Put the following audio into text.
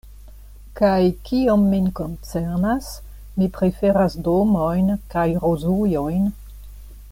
Kaj kiom min koncernas, mi preferas domojn kaj rozujojn.